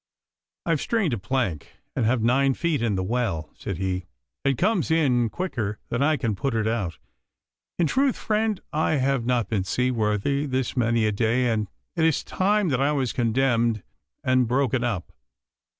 'I've strained a plank, and have nine feet in the well,' said he. 'It comes in quicker than I can put it out. In truth, friend, I have not been seaworthy this many a day, and it is time that I was condemned and broken up.